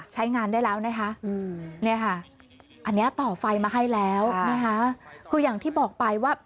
ใช้งานได้แล้วนี่ค่ะ